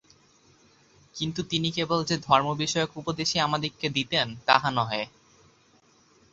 কিন্তু তিনি কেবল যে ধর্মবিষয়ক উপদেশই আমাদিগকে দিতেন, তাহা নহে।